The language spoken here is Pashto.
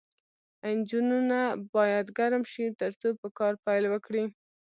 انجنونه باید ګرم شي ترڅو په کار پیل وکړي